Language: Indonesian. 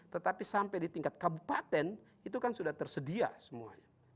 tetapi sampai di tingkat kabupaten itu kan sudah tersedia semuanya